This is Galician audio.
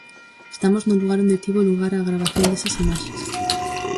Estamos no lugar onde tivo lugar a gravación desas imaxes.